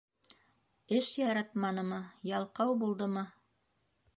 Эш яратманымы, ялҡау булдымы?